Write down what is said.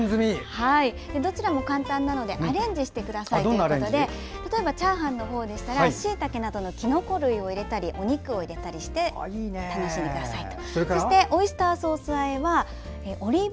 どちらも簡単なのでアレンジしてくださいということで例えばチャーハンでしたらしいたけなどのきのこ類を入れて楽しんでくださいと。